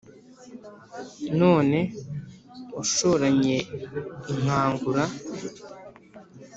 none washoranye inkangura